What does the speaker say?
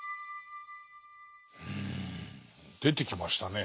うん出てきましたね。